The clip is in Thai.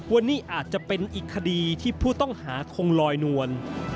วันนี้อาจจะเป็นอีกคดีที่ผู้ต้องหาคงลอยนวล